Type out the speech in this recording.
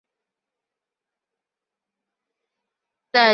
在线直接起动的启动器也可以包括保护元件。